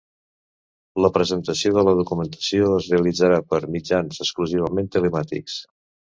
La presentació de la documentació es realitzarà per mitjans exclusivament telemàtics.